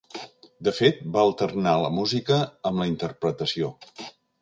De fet, va alternar la música amb la interpretació.